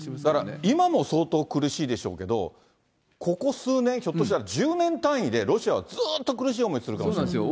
だから、今も相当苦しいでしょうけど、ここ数年、ひょっとしたら１０年単位で、ロシアはずっと苦しい思いするかもしれない。